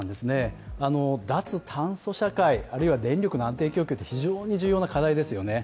脱炭素社会、あるいは電力の安定供給って非常に重要な課題ですよね。